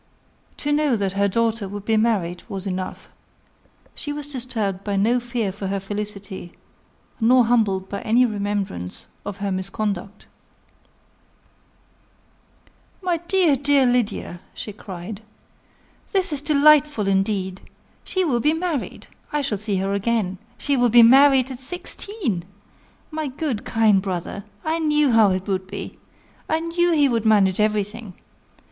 To know that her daughter would be married was enough. She was disturbed by no fear for her felicity, nor humbled by any remembrance of her misconduct. "My dear, dear Lydia!" she cried: "this is delightful indeed! She will be married! I shall see her again! She will be married at sixteen! My good, kind brother! I knew how it would be I knew he would manage everything.